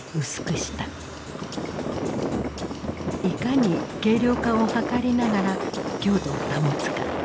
いかに軽量化を図りながら強度を保つか。